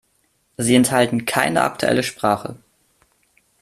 Sie enthalten keine aktuelle Sprache.